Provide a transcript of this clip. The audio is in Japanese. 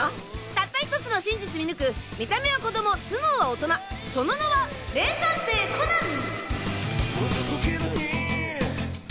たった１つの真実見抜く見た目は子供頭脳は大人その名は名探偵コナン！